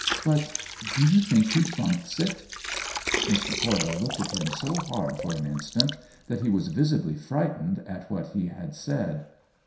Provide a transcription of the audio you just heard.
But do you think he funks it ?" Mr. Coyle looked at him so hard for an instant that he was visibly frightened at what he had said.